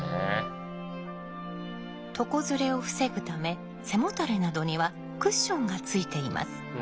床ずれを防ぐため背もたれなどにはクッションがついています。